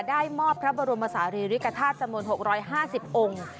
ได้มอบพระบรมศาลีริกฐาตุจำนวน๖๕๐องค์